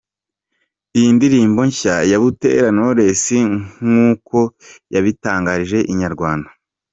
Iyi ndirimbo nshya ya Butera Knowless nk'uko yabitangarije Inyarwanda.